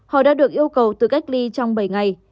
họ đã được yêu cầu tự cách ly trong bảy ngày